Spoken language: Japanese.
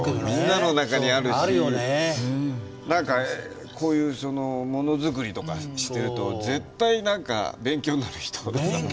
みんなの中にあるし何かこういう物づくりとかしてると絶対何か勉強になる人。